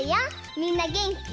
みんなげんき？